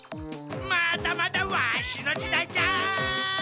まだまだワシの時代じゃ！